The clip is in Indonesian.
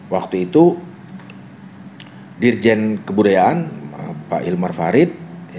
waktu itu dirjen kebudayaan pak hilmar farid